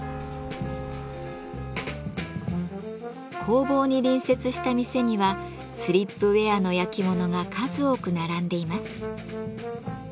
工房に隣接した店にはスリップウェアのやきものが数多く並んでいます。